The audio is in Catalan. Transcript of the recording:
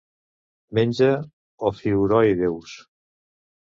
Menja ofiuroïdeus.